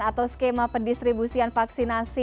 atau skema pendistribusian vaksinasi